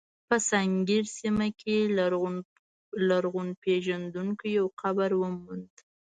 په سنګیر سیمه کې لرغونپېژندونکو یو قبر وموند.